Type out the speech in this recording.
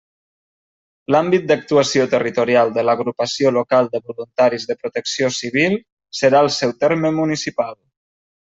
L'àmbit d'actuació territorial de l'Agrupació Local de Voluntaris de Protecció Civil serà el seu terme municipal.